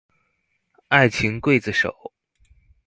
愛情劊子手